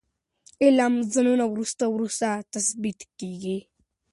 د علم زونونه وروسته وروسته تثبیت کیږي.